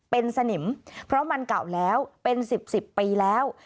เป็นสนิมเพราะมันเก่าแล้วเป็น๑๐๑๐ปีแล้ว